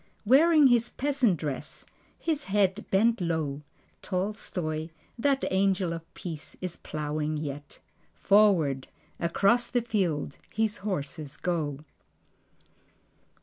Wearing his peasant dress, his head bent low, Tolstoi, that angel of Peace, is plowing yet; Forward, across the field, his horses go.